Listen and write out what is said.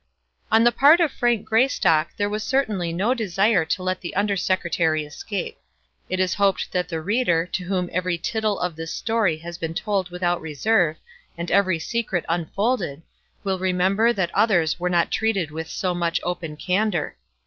On the part of Frank Greystock there was certainly no desire to let the Under Secretary escape. It is hoped that the reader, to whom every tittle of this story has been told without reserve, and every secret unfolded, will remember that others were not treated with so much open candour.